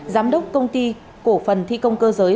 giám đốc công ty cổ phần thi công cơ giới